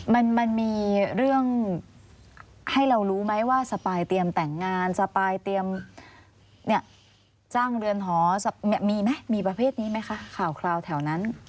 มันมีเรื่องให้เรารู้ไหมว่าสปายเตรียมแต่งงานสปายเตรียมเนี่ยจ้างเรือนหอมีไหมมีประเภทนี้ไหมคะข่าวคราวแถวนั้น